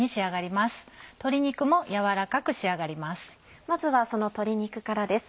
まずはその鶏肉からです。